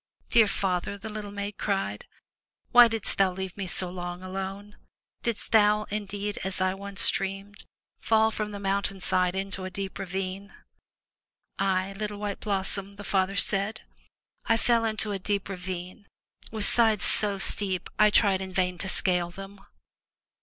"Dear father," the little maiden cried, "Why didst thou leave me so long alone? Didst thou, indeed, as I once dreamed, fall from the mountain side into a deep ravine?" "Aye, Httle White Blossom," the father said. "I fell into a deep ravine, with sides so steep I tried in vain to scale them.